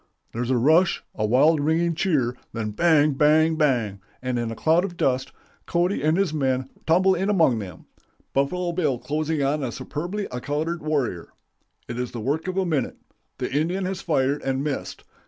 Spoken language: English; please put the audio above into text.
'... "There's a rush, a wild ringing cheer; then bang, bang, bang! and in a cloud of dust, Cody and his men tumble in among them, Buffalo Bill closing on a superbly accoutered warrior. It is the work of a minute; the Indian has fired and missed.